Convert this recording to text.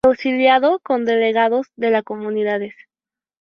Y auxiliado con Delegados de las comunidades.